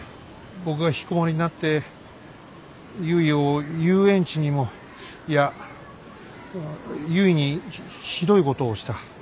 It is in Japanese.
僕がひきこもりになってゆいを遊園地にもいやゆいにひどいことをした。